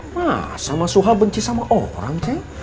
masa mas suha benci sama orang ceng